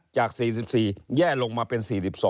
จาก๔๔แย่ลงมาเป็น๔๒